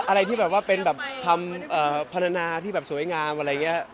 อะไรที่แบบว่าเป็นแบบคำพัฒนาที่แบบสวยงามอะไรอย่างนี้